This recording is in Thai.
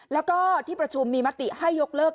แล้วก็ที่ประชุมมีมติให้ยกเลิก